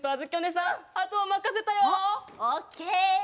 オッケー！